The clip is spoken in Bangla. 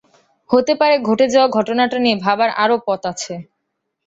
হতে পারে ঘটে যাওয়া ঘটনাটা নিয়ে ভাবার আরো পথ আছে।